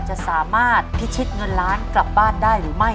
จะสามารถพิชิตเงินล้านกลับบ้านได้หรือไม่